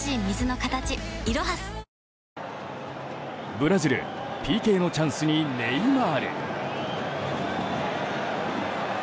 ブラジルＰＫのチャンスにネイマール。